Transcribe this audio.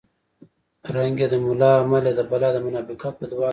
رنګ یې د ملا عمل یې د بلا د منافقت بدوالی ښيي